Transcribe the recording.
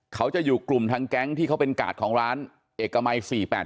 เขาจะอยู่กลุ่มทางแก๊งที่เขาเป็นกาดของร้านเอกมัย๔๘๘